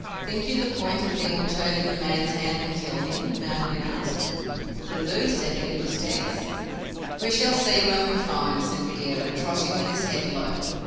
"Think you the pointed thing will turn in the man's hand and kill him?" Mowgli asked. "The Thuu said it was Death." "We shall see when we find," said Bagheera, trotting with his head low.